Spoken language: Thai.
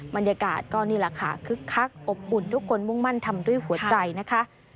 บรรยากาศก็นี่แหละค่ะคึกคักอบอุ่นทุกคนมุ่งมั่นทำด้วยหัวใจนะคะ